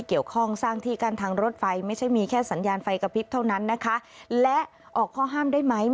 เนื่องจากพอไปถึงจุดเกิดเหตุแล้วไปดูที่เกิดเหตุจริงแล้วเนี่ย